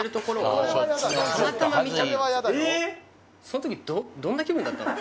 その時どんな気分だったの？